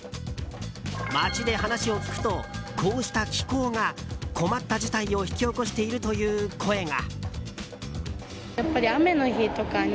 街で話を聞くと、こうした気候が困った事態を引き起こしているという声が。